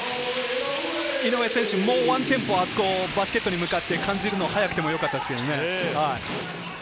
井上選手、もうワンテンポあそこをバスケットに向かって感じるの、早くてもよかったですよね。